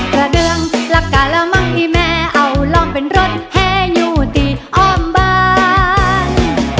กระเดืองลักกายละมั้งอีแม่เอาลองเป็นรถแฮอยู่ตีอ้อมบาน